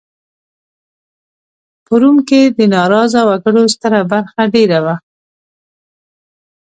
په روم کې د ناراضه وګړو ستره برخه دېره وه